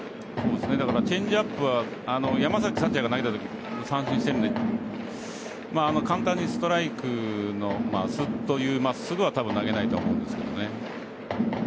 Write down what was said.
だからチェンジアップは山崎福也が投げるとき三振してるんで簡単にストライクの真っすぐは投げないと思うんですけどね。